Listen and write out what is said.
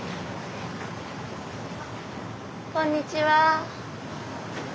こんにちは。